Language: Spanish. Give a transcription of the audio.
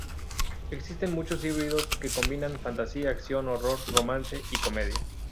Existen muchos híbridos que combinan fantasía, acción, horror, romance y comedia.